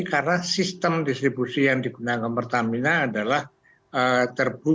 karena sistem distribusi yang digunakan pertamina adalah terbuka